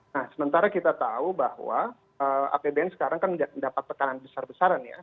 nah sementara kita tahu bahwa apbn sekarang kan mendapat tekanan besar besaran ya